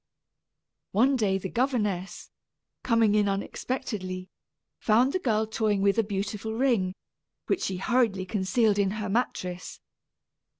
One day the governess, coming in unexpectedly, found the girl toying with a beautiful ring, which she hurriedly concealed in her mattress.